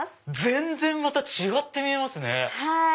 全然また違って見えますね。